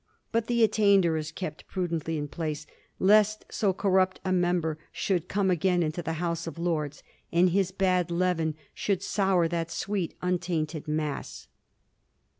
But the attainder is kept prudently in force, lest so corrupt a member should come again into the House of Lords and his bad leaven should sour that sweet, untainted mass.'